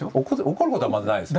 怒ることはまずないですよ。